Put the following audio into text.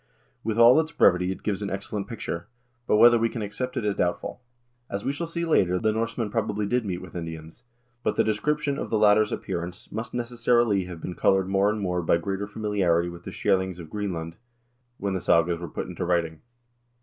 With all its brevity it gives an excellent picture ; but whether we can accept it is doubtful. As we shall see later, the Norse men probably did meet with Indians ; but the description of the lat ter's appearance must necessarily have been colored more and more by greater familiarity with the Skrselings of Greenland when the sagas were put into writing.